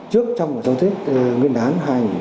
trước trong giao thuyết nguyên đán hai nghìn một mươi ba